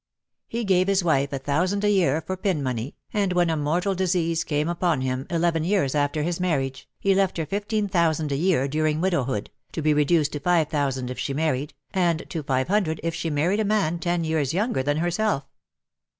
He gave his wife a thousand a year for pin money, and when a mortal disease came upon him, eleven years after his marriage, he left her fifteen thousand a year during widowhood, to be reduced to five thousand if she married, and to five hundred if she married a man ten years younger than herself.